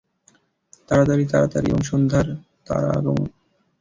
তাড়াতাড়ি, তাড়াতাড়ি, এবং সন্ধ্যা তারার আগমন।